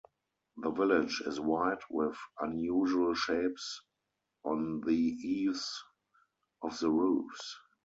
The village is white with unusual shapes on the eaves of the roofs.